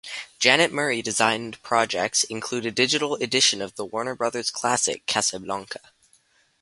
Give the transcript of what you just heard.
Janet Murray designed projects include a digital edition of the Warner Brothers classic, Casablanca.